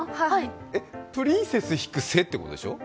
「プリンセス」引く「セ」ということでしょう？